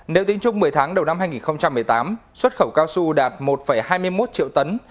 nếu tính chung một mươi tháng đầu năm hai nghìn một mươi tám xuất khẩu cao su đạt một hai mươi một triệu tấn